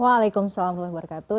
waalaikumsalam warahmatullahi wabarakatuh